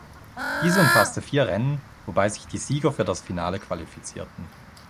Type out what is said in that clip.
Diese umfasste vier Rennen, wobei sich die Sieger für das Finale qualifizierten.